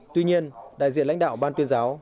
tuy nhiên đại diện lãnh đạo ban tuyên giáo